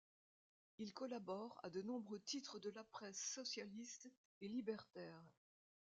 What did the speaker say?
Il collabore à de nombreux titres de la presse socialiste et libertaire.